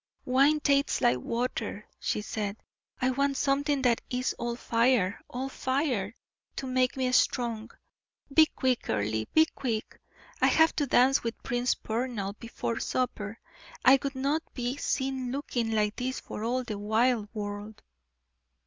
"Wine tastes like water," she said. "I want something that is all fire all fire! to make me strong. Be quick, Earle be quick! I have to dance with Prince Poermal before supper. I would not be seen looking like this for all the wide world!"